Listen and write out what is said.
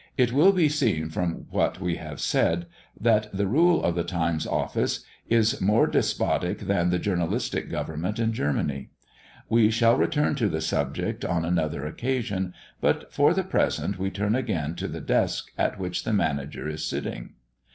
It will be seen, from what we have said, that the rule of the Times' office is more despotic the than journalistic government in Germany. We shall return to the subject on another occasion; but for the present we turn again to the desk at which the manager is sitting.